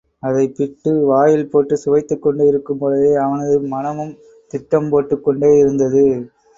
அதைப் பிட்டு வாயில் போட்டு சுவைத்துக்கொண்டு இருக்கும் பொழுதே, அவரது மனமும் திட்டம் போட்டுக் கொண்டே இருந்தது.